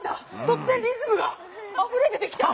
とつぜんリズムがあふれ出てきた！